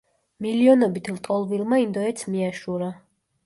მილიონობით ლტოლვილმა ინდოეთს მიაშურა.